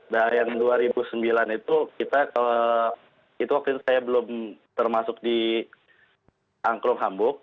nah yang dua ribu sembilan itu kita itu waktu itu saya belum termasuk di angkrum hamburg